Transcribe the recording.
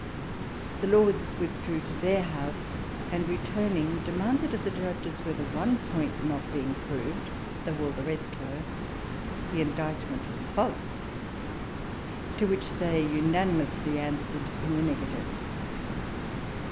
The Lords withdrew to their House, and return ing, demanded of the judges, whether one point not being proved, though all the rest were, the indictment was false? to which they unani mously answered in the negative.